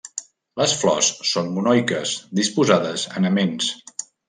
Les flors són monoiques, disposades en aments.